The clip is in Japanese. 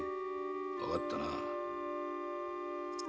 わかったな？